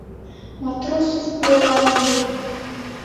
Матросов булғанғамы ни?